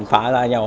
phá ra nhau